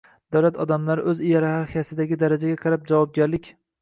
Davlat odamlarni o‘z iyerarxiyasidagi darajasiga qarab - javobgarlik